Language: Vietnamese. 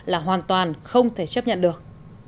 là hoàn toàn không thể chấp nhận được